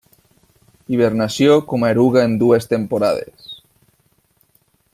Hibernació com a eruga en dues temporades.